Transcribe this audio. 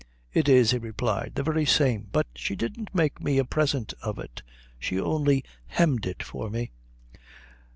"It is," he replied, "the very same but she didn't make me a present of it, she only hemmed it for me."